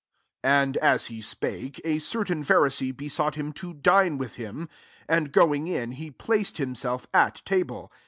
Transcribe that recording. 37 And as he spake, a certain Pharisee besought him to dine with him : and going in, he placed himself at table.